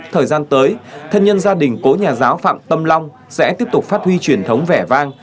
thời gian tới thân nhân gia đình cố nhà giáo phạm tâm long sẽ tiếp tục phát huy truyền thống vẻ vang